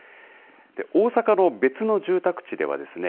大阪の別の住宅地ではですね